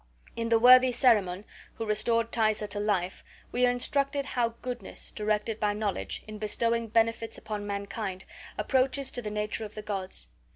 In the worthy Cerimon, who restored Thaisa to life, we are instructed how goodness, directed by knowledge, in bestowing benefits upon mankind approaches to the nature of the gods.